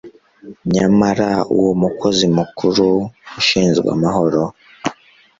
Nyamara uwo mukozi mukuru ushinzwe amahoro